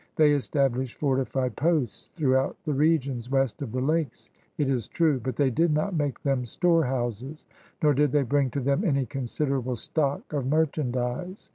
They established fortified posts throughout the regions west of the Lakes, it is true, but they did not make them storehouses, nor did they bring to them any considerable stock of merchandise.